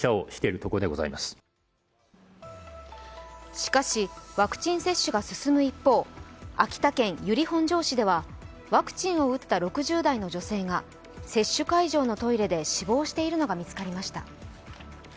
しかし、ワクチン接種が進む一方、秋田県由利本荘市では、ワクチンを打った６０代の女性が接種会場のトイレで死亡しているのが見つかりました。